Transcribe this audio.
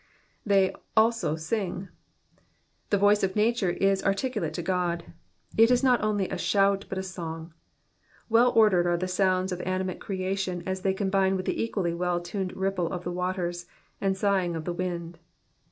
^^They also sing,''^ The voice of nature is articulate to God ; it is not only a shout, but a song. Well ordered are the sounds of animate creation as they combine with the equally well tuned ripple of the waters, and sighings of the wind.